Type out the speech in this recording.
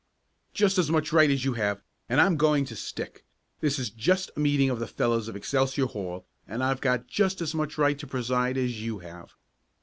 "Just as much right as you have, and I'm going to stick! This is just a meeting of the fellows of Excelsior Hall, and I've got just as much right to preside as you have."